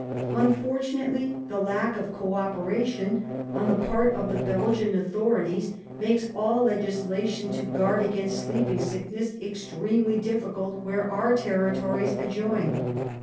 Unfortunately the lack of co operation on the part of the Belgian authorities makes all legislation to guard against sleeping sickness extremely difficult where our territories adjoin.